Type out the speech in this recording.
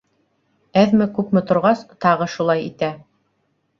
Әҙме-күпме торғас, тағы шулай итә.